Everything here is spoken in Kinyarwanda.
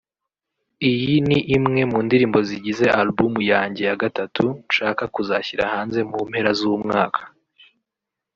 “Iyi ni imwe mu ndirimbo zigize album yanjye ya Gatatu nshaka kuzashyira hanze mu mpera z’umwaka